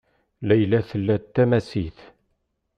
Layla tla tamasit.